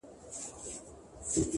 حقیقت د وخت په تېرېدو څرګندېږي’